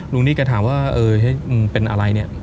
หนี้แกถามว่าเออมึงเป็นอะไรเนี่ย